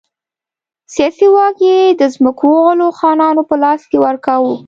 سیاسي واک یې د ځمکوالو خانانو په لاس کې ورکاوه.